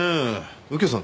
右京さん